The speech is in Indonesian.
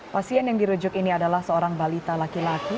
pasien yang dirujuk ini adalah seorang balita laki laki